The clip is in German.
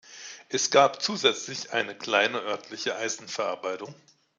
Es gab zusätzlich eine kleine örtliche Eisenverarbeitung.